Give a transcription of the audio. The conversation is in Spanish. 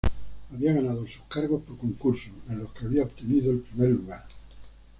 Había ganado sus cargos por concurso, en los que había obtenido el primer lugar.